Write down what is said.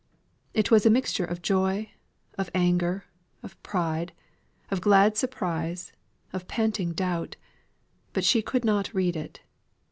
It was a mixture of joy, of anger, of pride, of glad surprise, of panting doubt; but she could not read it.